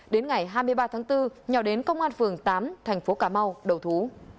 đến ngày hai mươi ba tháng bốn nhờ đến công an phường tám thành phố cà mau đầu thú